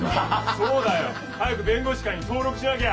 そうだよ。早く弁護士会に登録しなきゃ！